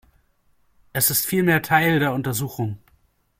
Es ist vielmehr Teil der Untersuchung.